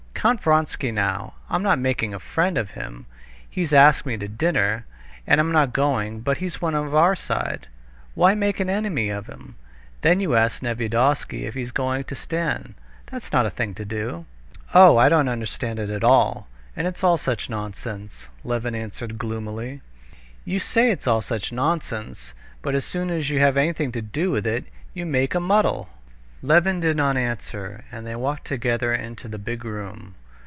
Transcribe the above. Count Vronsky, now ... I'm not making a friend of him; he's asked me to dinner, and I'm not going; but he's one of our side—why make an enemy of him? Then you ask Nevyedovsky if he's going to stand. That's not a thing to do." "Oh, I don't understand it at all! And it's all such nonsense," Levin answered gloomily. "You say it's all such nonsense, but as soon as you have anything to do with it, you make a muddle." Levin did not answer, and they walked together into the big room.